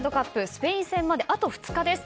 スペイン戦まであと２日です。